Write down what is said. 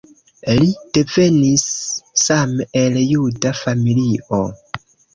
Li devenis same el juda familio.